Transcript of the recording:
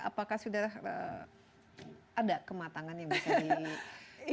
apakah sudah ada kematangan yang bisa dilakukan